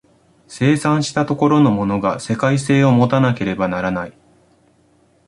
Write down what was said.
生産した所のものが世界性を有たなければならない。